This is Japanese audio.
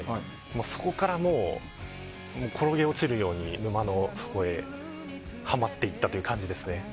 そこからもう転げ落ちるように沼の底へ、ハマっていったという感じですね。